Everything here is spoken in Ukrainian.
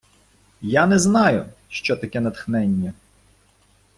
Я не знаю, що таке натхнення.